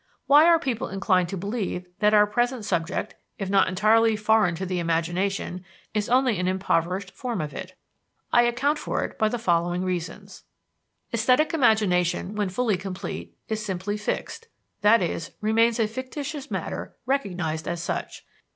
Why are people inclined to believe that our present subject, if not entirely foreign to the imagination, is only an impoverished form of it? I account for it by the following reasons: Esthetic imagination, when fully complete, is simply fixed, i.e., remains a fictitious matter recognized as such.